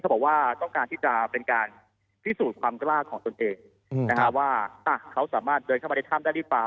บอกว่าต้องการที่จะเป็นการพิสูจน์ความกล้าของตนเองว่าเขาสามารถเดินเข้ามาในถ้ำได้หรือเปล่า